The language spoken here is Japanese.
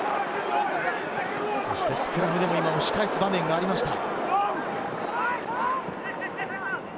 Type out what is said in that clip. そしてスクラムでも押し返す場面がありました。